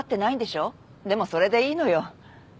でもそれでいいのよ。